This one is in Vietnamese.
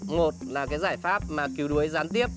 một là cái giải pháp mà cứu đuối gián tiếp